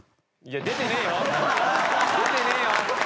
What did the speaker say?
出てねえよ。